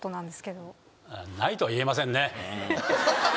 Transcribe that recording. ないとは言えませんね。